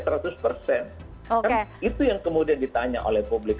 kan itu yang kemudian ditanya oleh publik